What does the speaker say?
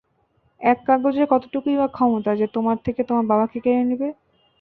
এক কাগজের কতটুকুই বা ক্ষমতা যে তোমার থেকে তোমার বাবাকে কেড়ে নিবে!